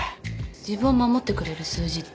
自分を守ってくれる数字って？